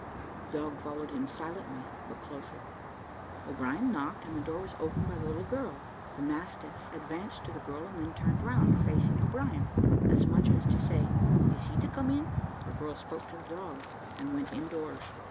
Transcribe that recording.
The dog followed him silently but closely. O'Brien knocked, and the door was opened by the little girl: the mastiff advanced to the girl and then turned round, facing O'Brien, as much as to say "Is he to come in?" The girl spoke to the dog, and went in doors.